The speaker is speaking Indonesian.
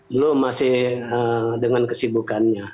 belum masih dengan kesibukannya